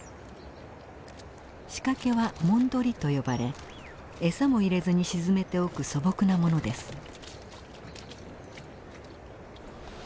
仕掛けは「モンドリ」と呼ばれ餌も入れずに沈めておく素朴なものです。